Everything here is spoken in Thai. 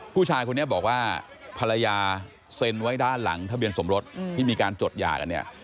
ผู้ชายคนนี้บอกว่าภรรยาเซ็นไว้ด้านหลังทะเบียนสมรสที่มีการจดหยากันเนี่ย